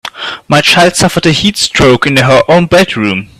My child suffered a heat stroke in her own bedroom.